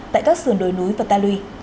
tại các sườn đồi núi và ta lùi